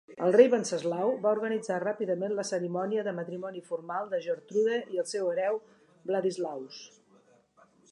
El rei Venceslau va organitzar ràpidament la cerimònia de matrimoni formal de Gertrude i el seu hereu, Vladislaus.